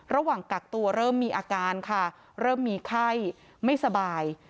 ระหว่างกักตัวเริ่มมีอาการค่ะเริ่มมีไข้ไม่สบาย